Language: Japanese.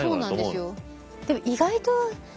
そうなんですよ。